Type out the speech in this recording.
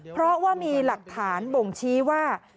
เพราะว่ามีหลักฐานบ่งชี้ว่า